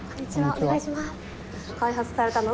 お願いします。